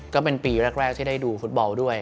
ก็เป็นปีแรกที่ได้ดูฟุตบอลด้วย